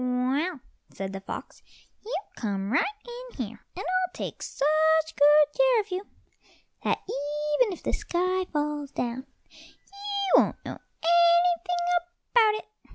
"Well," said the Fox, "you come right in here, and I'll take such good care of you that even if the sky falls down you won't know anything about it."